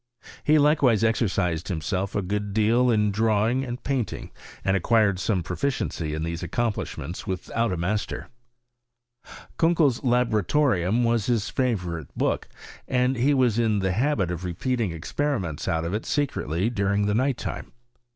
Ba likewise exercised himself a good deal in draw ing and painting, and acquired some profideucf in these accomplishments without a master. Kan kei's Laboratorium was his favourite book, and ll« was in the habit of repeating experiments o»t of it secretly during the night time.